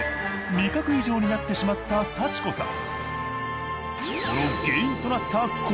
味覚異常になってしまった幸子さん。